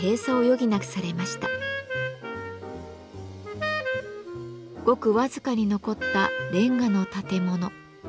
ごく僅かに残ったレンガの建物。